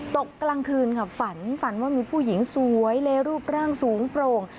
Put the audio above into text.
ตกกลางคืนค่ะฝันฝันว่ามีผู้หญิงสวยเลรูปร่างสูงโปร่ง